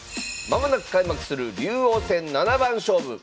間もなく開幕する竜王戦七番勝負。